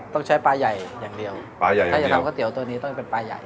ต้องใช้ปลาใหญ่อย่างเดียวปลาใหญ่ถ้าจะทำก๋วเตี๋ยตัวนี้ต้องเป็นปลาใหญ่